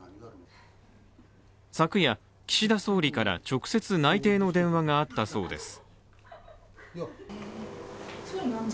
昨夜、岸田総理から直接内定の電話があったそうです。